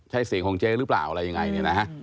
เจ๊บ้าบินนะ